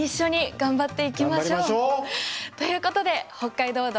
頑張りましょう！ということで「北海道道」